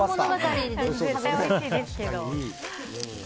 絶対おいしいですけど。